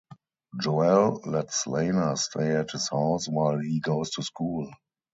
Joel lets Lana stay at his house while he goes to school.